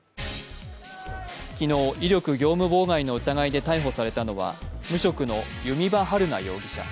昨日、威力業務妨害の疑いで逮捕されたのは無職の弓場晴菜容疑者。